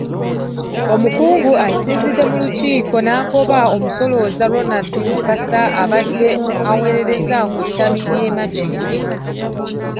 Omukungu asinzidde mu lukiiko n'agoba omusolooza Ronald Mukasa abadde aweerereza ku ttabi ly’e Makindye.